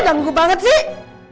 ih danggu banget sih